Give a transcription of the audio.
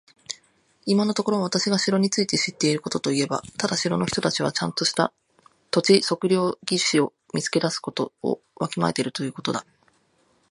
今のところ私が城について知っていることといえば、ただ城の人たちはちゃんとした土地測量技師を見つけ出すことをわきまえているということだけだ。